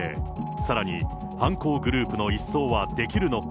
さらに犯行グループの一掃はできるのか。